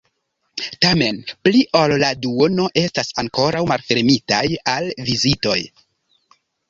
Tamen, pli ol la duono estas ankoraŭ malfermitaj al vizitoj.